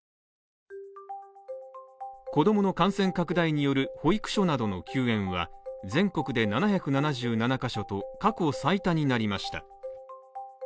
子供の感染拡大による保育所などの休園は全国で７７７カ所と、過去最多になりました。